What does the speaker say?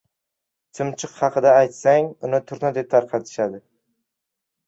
• Chumchuq haqida aytsang uni turna deb tarqatishadi.